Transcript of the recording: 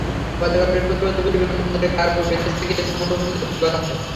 গতকাল বৃহস্পতিবার দুপুরে বিমানবন্দরের কার্গো ভিলেজ থেকে এসব মুঠোফোন জব্দ করা হয়।